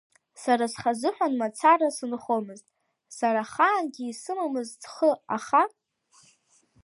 Сара схазыҳәан мацара сынхомызт, сара ахаангьы исымамызт схы аха…